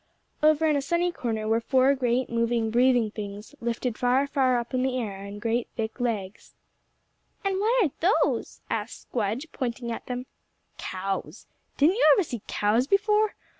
Over in a sunny corner were four great moving, breathing things, lifted far, far up in the air on great thick legs. "And what are those?" asked Squdge, pointing at them. "Cows. Didn't you ever see cows before?